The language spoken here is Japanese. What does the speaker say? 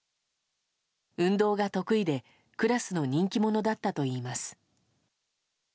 運動が得意で、クラスの人気者だったといいます。